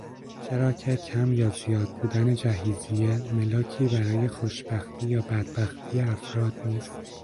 چرا که کم یا زیاد بودن جهیزیه ملاکی برای خوشبختی یا بدبختی افراد نیست